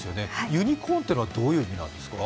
ユニコーンというのは、どういう意味なんですか？